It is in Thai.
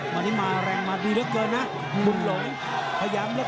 มันต้องมีเสียงให้แบบนี้